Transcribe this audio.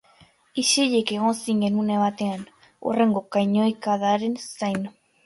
Isilik egon ziren une batean, hurrengo kanoikadaren zain.